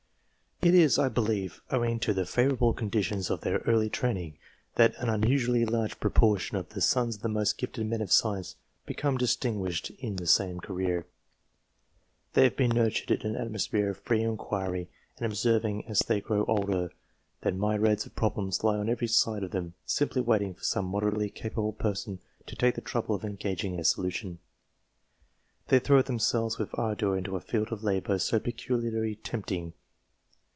It is, I believe, owing to the favourable conditions of their early training, that an unusually large proportion of the sons of the most gifted men of science become dis 190 MEN OF SCIENCE tinguished in the same career. They have been nurtured in an atmosphere of free inquiry, and observing as they grow older that myriads of problems lie on every side of them, simply waiting for some moderately capable person to take the trouble of engaging in their solution, they throw themselves with ardour into a field of labour so pecu liarly tempting.